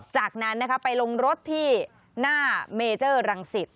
จากนั้นไปลงรถที่หน้าเมเจอร์รังสิต